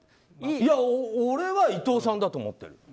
俺は伊藤さんだと思ってる。